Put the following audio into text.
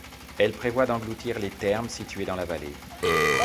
Elles prévoient d'engloutir les thermes situés dans la vallée.